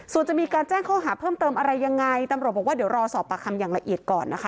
ส่วนจะมีการแจ้งข้อหาเพิ่มเติมอะไรยังไงตำรวจบอกว่าเดี๋ยวรอสอบปากคำอย่างละเอียดก่อนนะคะ